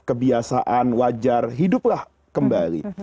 kebiasaan wajar hiduplah kembali